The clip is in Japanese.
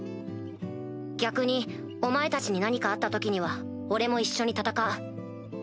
逆にお前たちに何かあった時には俺も一緒に戦う。